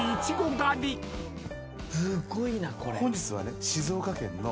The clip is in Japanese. すごいなこれ。